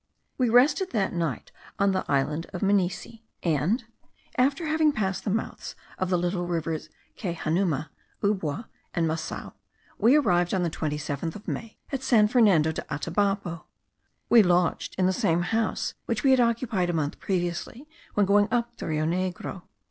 We rested that night on the island of Minisi; and, after having passed the mouths of the little rivers Quejanuma, Ubua, and Masao, we arrived, on the 27th of May, at San Fernando de Atabapo. We lodged in the same house which we had occupied a month previously, when going up the Rio Negro.